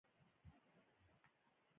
د خره څښتن ته ورپېښه ده متل د مجبوریت کیسه ده